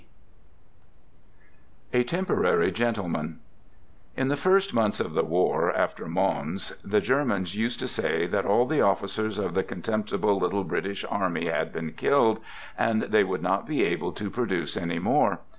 B. "A TEMPORARY GENTLEMAN 99 In the first months of the war, after Mons, the Germans used to say that all the officers of the con temptible little British army had been killed, and they would not be able to produce any more.